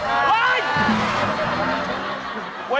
โอ๊ยโอ๊ย